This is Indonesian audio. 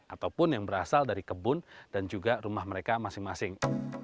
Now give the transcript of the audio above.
ataupun yang berasal dari kebun dan juga rumah mereka masing masing